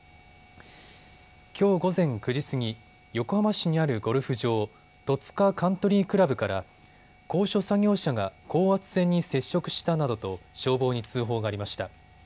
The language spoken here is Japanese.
きょう午前９時過ぎ横浜市にあるゴルフ場、戸塚カントリー倶楽部から高所作業車が高圧線に接触したなどと消防に通報がありました。